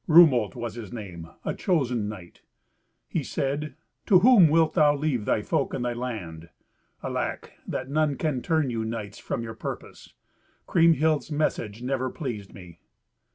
Rumolt was his name, a chosen knight. He said, "To whom wilt thou leave thy folk and thy land? Alack! that none can turn you knights from your purpose! Kriemhild's message never pleased me."